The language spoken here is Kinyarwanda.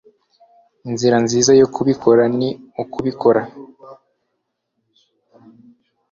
inzira nziza yo kubikora, ni ukubikora